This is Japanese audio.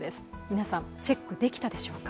皆さん、チェックできたでしょうか？